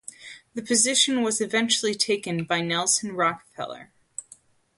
The position was eventually taken by Nelson Rockefeller.